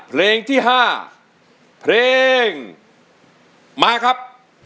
เพลงที่๕เพลงมาครับ